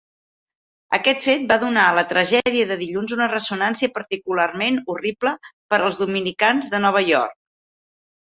Aquest fet va donar a la tragèdia de dilluns una ressonància particularment horrible per als dominicans de Nova York.